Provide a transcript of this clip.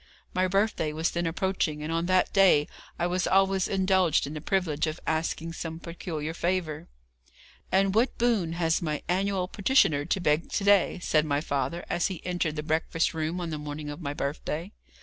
My birthday was then approaching, and on that day I was always indulged in the privilege of asking some peculiar favour. 'And what boon has my annual petitioner to beg to day?' said my father, as he entered the breakfast room on the morning of my birthday.